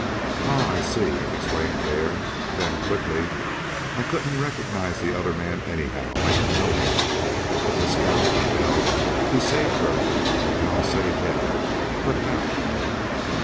"Ah, I see," exclaimed Hare. Then quickly: "I couldn't recognize the other man anyhow; I don't know him. But Mescal can tell. He saved her and I'll save him. But how?"